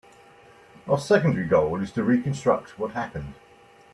Our secondary goal is to reconstruct what happened.